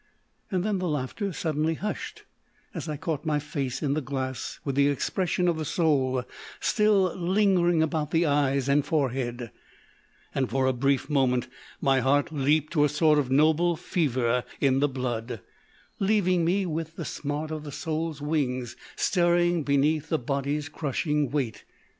Then the laughter suddenly hushed as I caught my face in the glass with the expression of the soul still lingering about the eyes and fore head, and for a brief moment my heart leaped to a sort of noble fever in the blood, leaving me with the smart of the soul's wings stirring beneath the body's crushing weight.